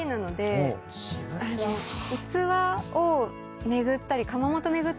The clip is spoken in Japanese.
器を巡ったり。